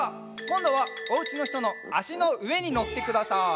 こんどはおうちのひとのあしのうえにのってください。